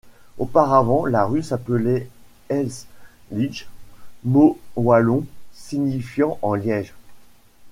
Auparavant, la rue s'appelait Es Lidje, mots wallons signifiant En Liège.